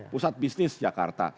pusat bisnis jakarta